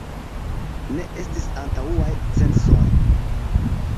Ne estis antaŭaj censoj.